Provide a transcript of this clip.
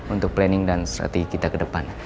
untuk planning dan strategi kita ke depan